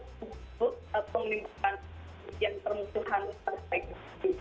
karena pasal ini dari icjr pasal jering usur penyelidikan yang termusuhan perspektif